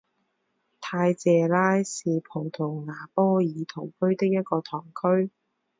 泰谢拉是葡萄牙波尔图区的一个堂区。